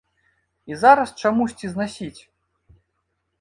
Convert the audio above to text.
І зараз чамусьці знасіць?